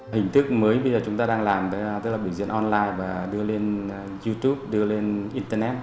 hình thức mới bây giờ chúng ta đang làm tức là biểu diễn online và đưa lên youtube đưa lên internet